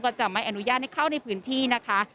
จะไม่อนุญาตให้เข้าในพื้นที่นะคะ